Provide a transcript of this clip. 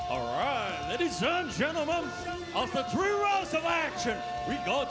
เอาล่ะครับทุกคนครับหลังจาก๓รอบการตัดสินครับ